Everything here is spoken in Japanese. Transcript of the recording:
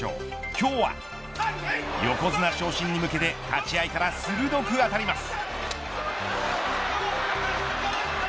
今日は横綱昇進に向けて立ち合いから鋭く当たります。